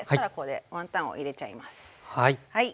はい。